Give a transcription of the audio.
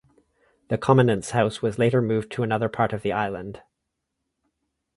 The commandant's house was later moved to another part of the island.